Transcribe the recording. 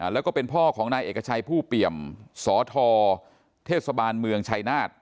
แล้วก็เป็นพ่อของนายเอกชัยผู้เปี่ยมสทเทศบาลเมืองชายนาฏ